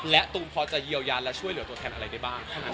และตูมพอจะเยียวยาและช่วยเหลือตัวแทนอะไรได้บ้างเท่านั้น